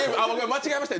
間違えました。